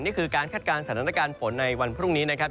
นี่คือการคาดการณ์สถานการณ์ฝนในวันพรุ่งนี้นะครับ